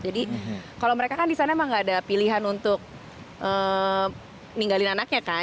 jadi kalau mereka kan disana emang gak ada pilihan untuk ninggalin anaknya kan